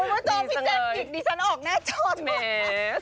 คุณผู้ชมพี่แจ๊กกิดดิฉันออกแน่จอดมาก